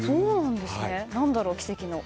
何だろう、奇跡の。